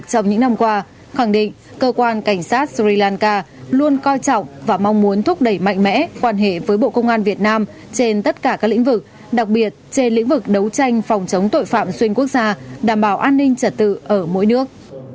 trong những năm qua khẳng định cơ quan cảnh sát sri lanka luôn coi trọng và mong muốn thúc đẩy mạnh mẽ quan hệ với bộ công an việt nam trên tất cả các lĩnh vực đặc biệt trên lĩnh vực đấu tranh phòng chống tội phạm xuyên quốc gia đảm bảo an ninh trật tự ở mỗi nước